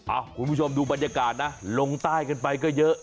คุณผู้ชมดูบรรยากาศนะลงใต้กันไปก็เยอะ